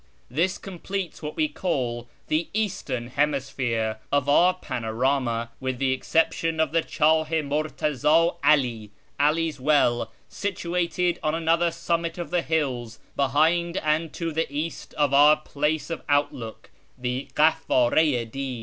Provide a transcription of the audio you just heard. This completes what w^e may call the " eastern hemisphere " of our panorama, with the exception of the Chdh i 3hirtazd ' AH ('All's well), situated on another summit of the hills behind and to the east of our place of outlook, the Kehvdr4 i Div.